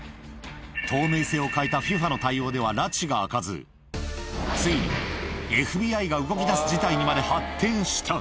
透明性を欠いたＦＩＦＡの対応ではらちが明かず、ついにＦＢＩが動きだす事態にまで発展した。